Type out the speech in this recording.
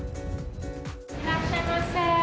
いらっしゃいませー。